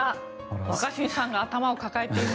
若新さんが頭を抱えている。